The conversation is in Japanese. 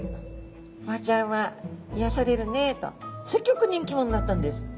「ボウちゃんは癒やされるね」とすっギョく人気者になったんです。